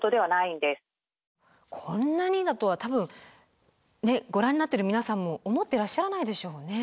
こんなにだとは多分ご覧になっている皆さんも思っていらっしゃらないでしょうね。